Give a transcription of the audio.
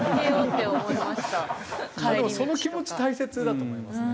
でもその気持ち大切だと思いますね。